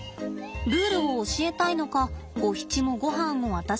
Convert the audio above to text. ルールを教えたいのかゴヒチもごはんを渡しません。